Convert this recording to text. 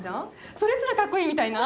それすらカッコいいみたいな。